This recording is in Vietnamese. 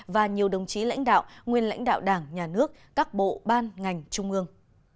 và nhiều đồng chí lãnh đạo nguyên lãnh đạo đảng nhà nước các bộ ban ngành trung ương